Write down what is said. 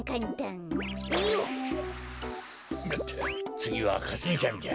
つぎはかすみちゃんじゃ。